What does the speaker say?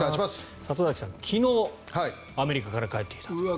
里崎さん、昨日アメリカから帰ってきたと。